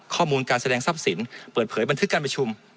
ข้อมูลการแสดงทรัพย์สินเปิดเผยบันทึกการประชุม